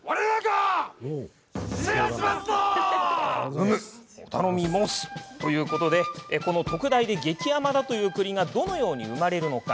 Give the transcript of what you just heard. うむ、お頼み申すということでこの特大で激甘だというくりがどのように生まれるのか。